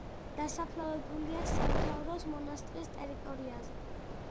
დასაფლავებულია სამთავროს მონასტრის ტერიტორიაზე.